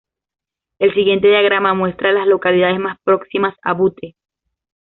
El siguiente diagrama muestra a las localidades más próximas a Butte.